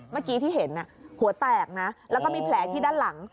เมื่อกี้ที่เห็นหัวแตกนะแล้วก็มีแผลที่ด้านหลัง